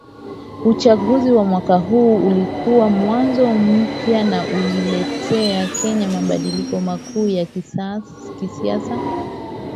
Uchaguzi wa mwaka huo ulikuwa mwanzo mpya na uliiletea Kenya mabadiliko makuu ya kisiasa